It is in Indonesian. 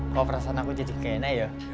kok perasaan aku jadi kekainan yo